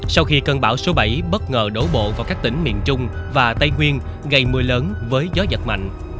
sau khi cơn bão số bảy bất ngờ đổ bộ vào các tỉnh miền trung và tây nguyên gây mưa lớn với gió giật mạnh